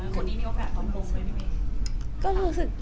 คนนี้นิโอแพทย์ต้องลงไหม